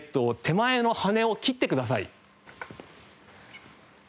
手前の羽を切ってください。